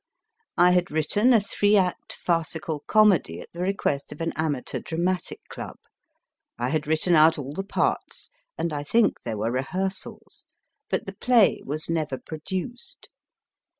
I had written a three act farcical comedy at the request of an amateur dramatic club. I had written out all the parts, and I think there were rehearsals. But the play was never produced.